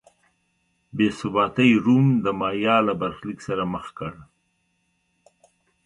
بې ثباتۍ روم د مایا له برخلیک سره مخ کړ.